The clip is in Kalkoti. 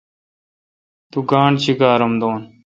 تو گاݨڈ چیکار ام دو۔